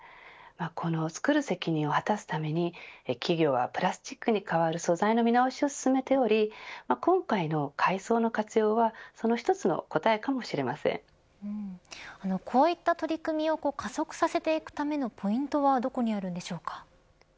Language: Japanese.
このつくる責任を果たすために企業はプラスチックに代わる素材の見直しを進めており今回の海藻の活用はこういった取り組みを加速させていくためのポイントはどこにあるんでしょうか。